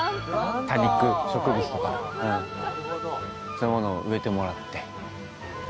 多肉植物とかそういうものを植えてもらって。